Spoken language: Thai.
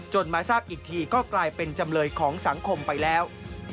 มาทราบอีกทีก็กลายเป็นจำเลยของสังคมไปแล้ว